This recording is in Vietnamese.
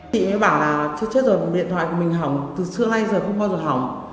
chị ấy bảo là chết rồi điện thoại của mình hỏng từ xưa nay giờ không bao giờ hỏng